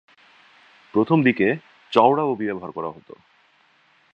প্রথমদিকে চওড়া ওবি ব্যবহার করা হত।